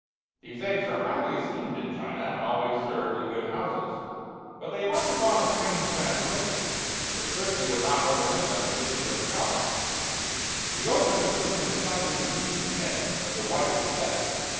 These eggs are highly esteemed in China, and always served in good houses; but they have undergone a strange transformation, which certainly would not recommend them to English palates; the yolk has assumed a decidedly green tinge, and the white is set.